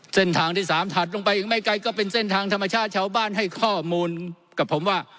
เส้นทางที่๓ถัดลงไปอีกไม่ไกลก็เป็นเส้นทางธรรมชาติชาวบ้านให้ข้อมูลกับผมว่า